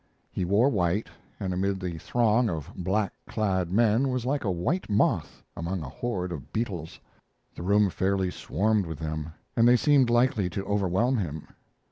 He wore white, and amid the throng of black clad men was like a white moth among a horde of beetles. The room fairly swarmed with them, and they seemed likely to overwhelm him.